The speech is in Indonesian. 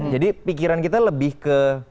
jadi pikiran kita lebih ke